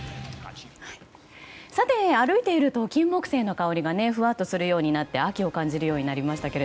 歩いているとキンモクセイの香りがふわっとするようになって秋を感じるようになりましたが